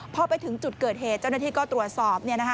พอไปถึงจุดเกิดเหตุเจ้าหน้าที่ก็ตรวจสอบ